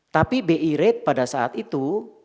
tapi bi rate pada saat itu